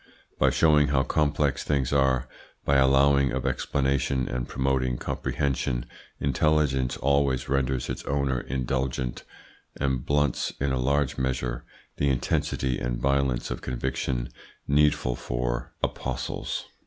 By showing how complex things are, by allowing of explanation and promoting comprehension, intelligence always renders its owner indulgent, and blunts, in a large measure, that intensity and violence of conviction needful for apostles.